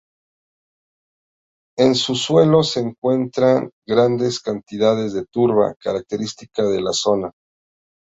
En su suelo se encuentran grandes cantidades de turba, característica de la zona.